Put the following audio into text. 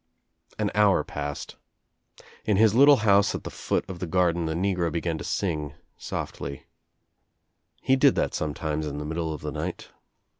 An hour passed. In his little house at the foot of 228 THE TRIUMPH OF TBE EGG the gar(]en the negro began to sing softly. He £d\ that sometimes in the middle of the night.